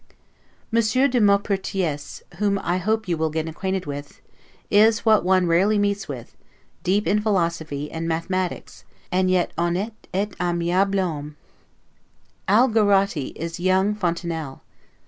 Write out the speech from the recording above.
Monsieur de Maupertius (whom I hope you will get acquainted with) is, what one rarely meets with, deep in philosophy and, mathematics, and yet 'honnete et aimable homme': Algarotti is young Fontenelle.